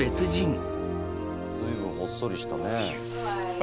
随分ほっそりしたね。